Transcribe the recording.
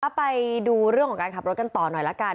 ไปดูเรื่องของการขับรถกันต่อหน่อยละกัน